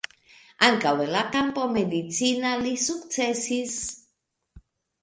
Ankaŭ en la kampo medicina li sukcesis.